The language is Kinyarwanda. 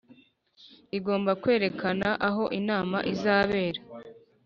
Rigomba kwerekana aho inama izabera